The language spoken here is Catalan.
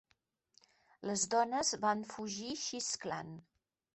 Les dones van fugir xisclant.